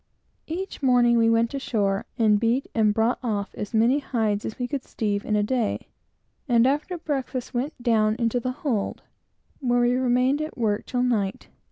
Each morning we went ashore, and beat and brought off as many hides as we could steeve in the course of the day, and, after breakfast, went down into the hold, where we remained at work until night.